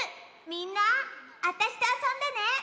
みんなあたしとあそんでね！